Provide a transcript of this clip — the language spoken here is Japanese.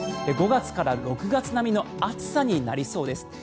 ５月から６月並みの暑さになりそうです。